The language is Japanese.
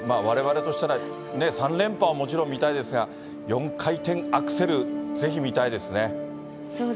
われわれとしたら、３連覇はもちろん見たいですが、４回転アクセル、そうですね。